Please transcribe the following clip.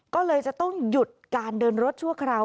ก็เลยจะต้องหยุดการเดินรถชั่วคราว